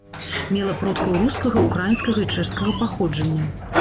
Мела продкаў рускага, украінскага і чэшскага паходжання.